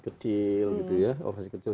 kecil gitu ya operasi kecil